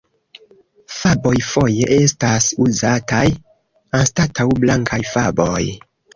Faboj foje estas uzataj anstataŭ blankaj faboj.